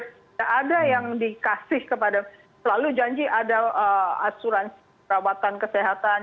tidak ada yang dikasih kepada selalu janji ada asuransi perawatan kesehatan